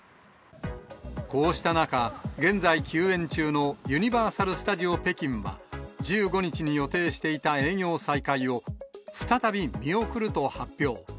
こうした中、現在、休園中のユニバーサル・スタジオ北京は、１５日に予定していた営業再開を、再び見送ると発表。